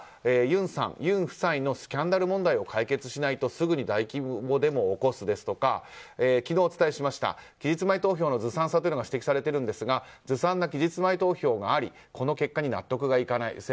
それから、ユン夫妻のスキャンダル問題を解決しないとすぐ大規模デモを起こすですとか昨日お伝えしました期日前投票のずさんさが指摘されていますがずさんな期日前投票がありこの結果に納得いかない。